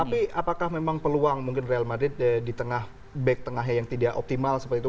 tapi apakah memang peluang real madrid di tengah yang tidak optimal seperti itu